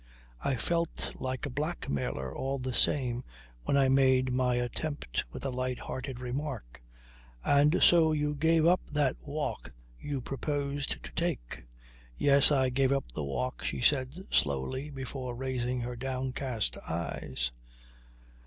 I felt like a blackmailer all the same when I made my attempt with a light hearted remark. "And so you gave up that walk you proposed to take?" "Yes, I gave up the walk," she said slowly before raising her downcast eyes.